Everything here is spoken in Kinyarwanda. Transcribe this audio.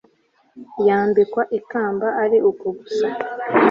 yambikwa ikamba ari uko gusa